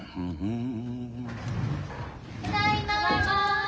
・ただいま。